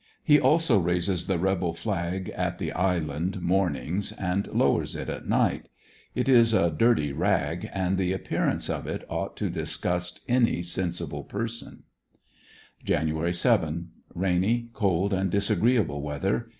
He also ^ aises the rebel flag at the island mornings, and lowers it at night.. It is a dirty rag, and the appearance of it ought to disgust any sensible person, Jan. 7. — Rainy, cold and disagreeable weather.